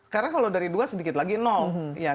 karena kalau dari dua sedikit lagi nol